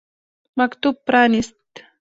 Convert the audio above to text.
مکتوب پرانیست.